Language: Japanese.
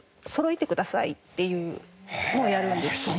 「そろえてください」っていうのをやるんです。